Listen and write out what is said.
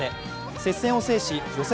接戦を制し予選